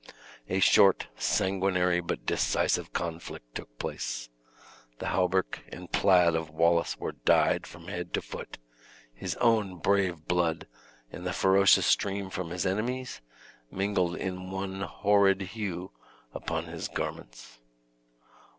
A short, sanguinary, but decisive conflict took place. The hauberk and plaid of Wallace were dyed from head to foot; his own brave blood, and the ferocious stream from his enemies, mingled in one horrid hue upon his garments.